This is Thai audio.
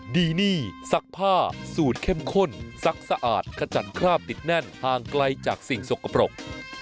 ดีนี่ซักผ้าสูตรเข้มข้นซักสะอาดขจัดคราบติดแน่นห่างไกลจากสิ่งสกปรก